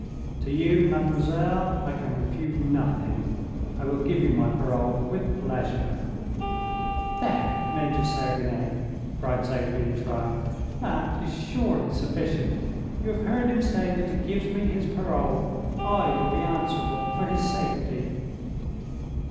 "To you, mademoiselle, I can refuse nothing. I will give you my parole, with pleasure." "There, Major Sergine," cried Sophie, in triumph, "that is surely sufficient. You have heard him say that he gives me his parole. I will be answerable for his safety."